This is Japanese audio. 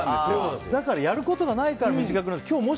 だからやることがないから短くても。